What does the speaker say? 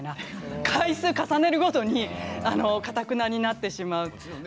回数を重ねるごとにかたくなになってしまう。